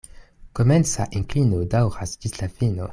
Komenca inklino daŭras ĝis la fino.